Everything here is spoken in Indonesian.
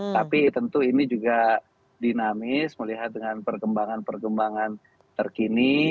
tapi tentu ini juga dinamis melihat dengan perkembangan perkembangan terkini